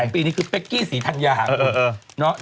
ปีนี้คือเป๊กกี้ศรีธังยา